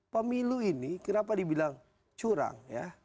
pemilu ini kenapa dibilang curang ya